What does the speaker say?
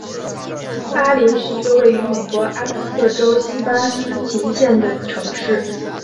巴林是一个位于美国阿肯色州锡巴斯琴县的城市。